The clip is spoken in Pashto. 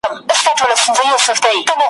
اوس په ښار كي دا نااهله حكمران دئ ,